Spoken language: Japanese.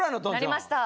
なりました